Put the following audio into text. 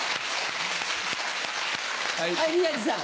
はい宮治さん。